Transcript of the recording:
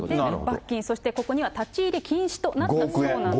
罰金、そしてここには立ち入り禁止となったそうなんですね。